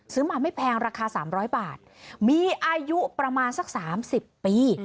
ซื้อมาไม่แพงราคา๓๐๐บาทมีอายุประมาณสัก๓๐ปี